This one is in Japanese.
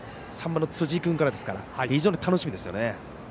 ３番の辻井君からですから非常に楽しみですね。